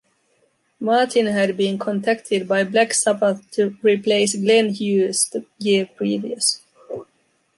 Martin had been contacted by Black Sabbath to replace Glenn Hughes the year previous.